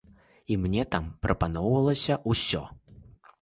І мне там прапаноўвалася ўсё.